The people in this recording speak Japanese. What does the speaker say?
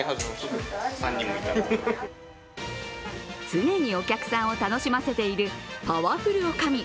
常にお客さんを楽しませているパワフル女将。